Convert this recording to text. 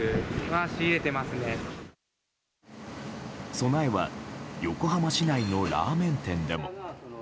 備えは横浜市内のラーメン店でも。